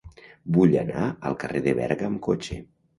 Vull anar al carrer de Berga amb cotxe.